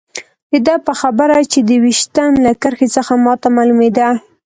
د ده په خبره چې د ویشتن له کرښې څخه ما ته معلومېده.